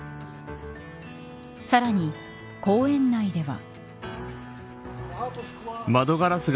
さらに、公園内では。